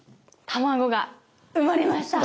卵が生まれました！